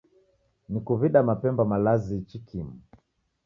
Nikuw'ida mapemba malazi ichi kimu